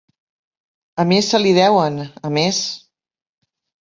A més se li deuen, a més.